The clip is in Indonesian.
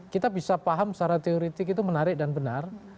kita bisa paham secara teoretik itu menarik dan benar